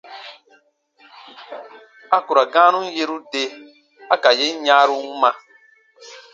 A ku ra gãanun yeru de a ka yen yãaru wuma.